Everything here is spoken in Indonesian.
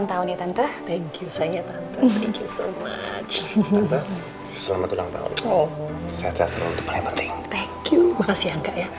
terima kasih angga ya